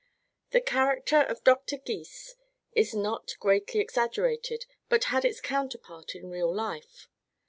The character of Doctor Gys is not greatly exaggerated but had its counterpart in real life.